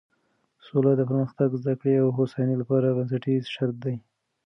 سوله د پرمختګ، زده کړې او هوساینې لپاره بنسټیز شرط دی.